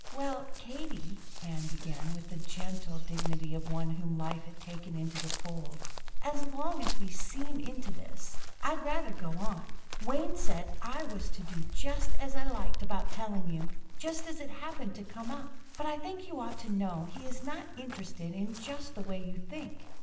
"Well, Katie," Ann began, with the gentle dignity of one whom life has taken into the fold, "as long as we seem into this, I'd rather go on. Wayne said I was to do just as I liked about telling you. Just as it happened to come up. But I think you ought to know he is not interested in just the way you think."